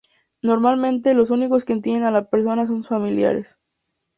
Normalmente, los únicos que entienden a la persona son sus familiares.